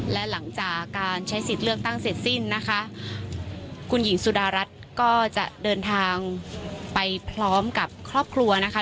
และหลังจากการใช้สิทธิ์เลือกตั้งเสร็จสิ้นนะคะคุณหญิงสุดารัฐก็จะเดินทางไปพร้อมกับครอบครัวนะคะ